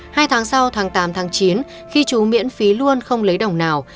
hai tháng sau tháng tám tháng chín khi chú miễn phí luôn không lấy đồng nào